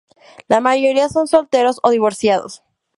La mayoría son solteros o divorciados.